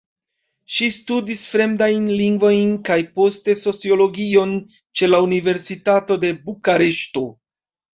Ŝi studis fremdajn lingvojn kaj poste sociologion ĉe la Universitato de Bukareŝto.